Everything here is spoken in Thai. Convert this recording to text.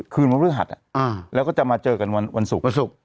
คืนวงดฤทธิ์แล้วก็จะมาเจอกันวันสุก